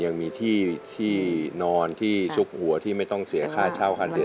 ยังมีที่นอนที่ชุกหัวที่ไม่ต้องเสียค่าเช่าคันเดือน